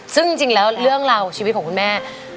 ซึ่งจริงแล้วเรื่องราวชีวิตของคุณแม่